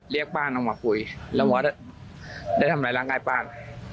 เรียกปานออกมาคุยแล้ววัดได้ทำอะไรล้างได้ปาน